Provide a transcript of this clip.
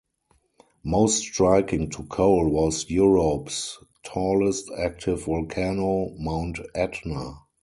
Most striking to Cole was Europe's tallest active volcano, Mount Etna.